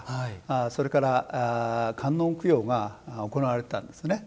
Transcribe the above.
それから観音供養が行われていたんですね。